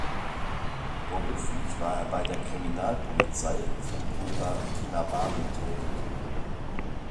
Beruflich war er bei der Kriminalpolizei von Kota Kinabalu tätig.